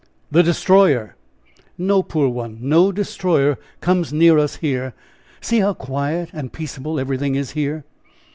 "The Destroyer!" "No, poor one, no destroyer comes near us here; see how quiet and peaceable everything is here!"